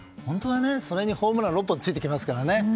それにホームランついてきますからね。